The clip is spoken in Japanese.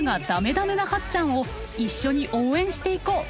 駄目なはっちゃんを一緒に応援していこう。